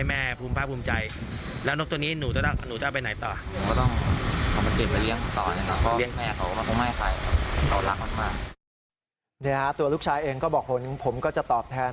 แล้วถ้าเล่นขี้เล่นมันก็กลายเหง่อยไปเลย